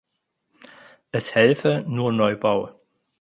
Es helfe nur Neubau.